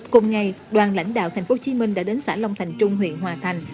cùng ngày đoàn lãnh đạo tp hcm đã đến xã long thành trung huyện hòa thành